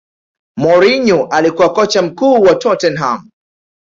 mourinho alikuwa kocha mkuu wa tottenham